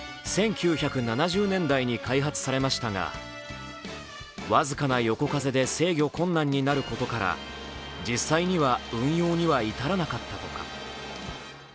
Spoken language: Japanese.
１９７０年代に開発されましたが僅かな横風で制御困難になることから実際には運用には至らなかったとか。